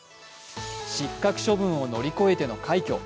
失格処分を乗り越えての快挙。